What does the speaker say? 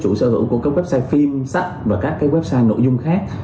chủ sơ hữu của các website phim sách và các website nội dung khác